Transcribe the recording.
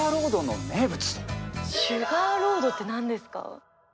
シュガーロードって何ですか？